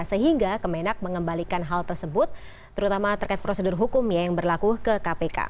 sehingga kemenak mengembalikan hal tersebut terutama terkait prosedur hukum yang berlaku ke kpk